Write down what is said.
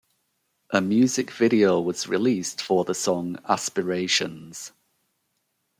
A music video was released for the song "Aspirations".